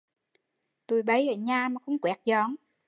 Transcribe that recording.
Tụi bây ở nhà mà không quét dọn